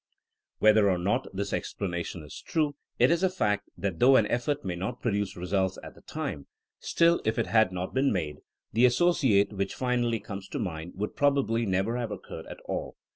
Whether or not this explanation is true, it is a fact that though an effort may not produce re sults at the time, still if it had not been made, the associate which finally comes to mind would probably never have occurred at all.